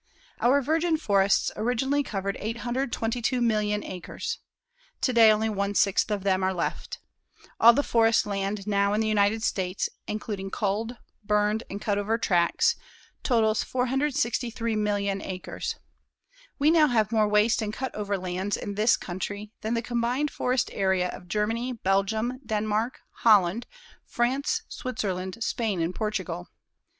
Our virgin forests originally covered 822,000,000 acres. Today, only one sixth of them are left. All the forest land now in the United States including culled, burned and cut over tracts, totals 463,000,000 acres. We now have more waste and cut over lands in this country than the combined forest area of Germany, Belgium, Denmark, Holland, France, Switzerland, Spain and Portugal.